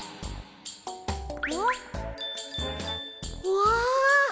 うわ！